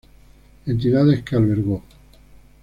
Entidades que albergó